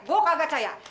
gue gak percaya